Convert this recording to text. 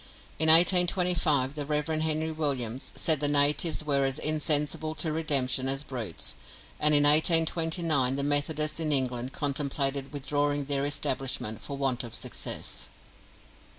In 1825 the Rev. Henry Williams said the natives were as insensible to redemption as brutes, and in 1829 the Methodists in England contemplated withdrawing their establishment for want of success.